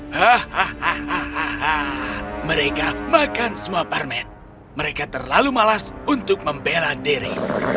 hahaha mereka makan semua parmen mereka terlalu malas untuk membela diri